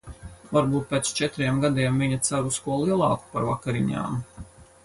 Varbūt pēc četriem gadiem viņa cer uz ko lielāku par vakariņām?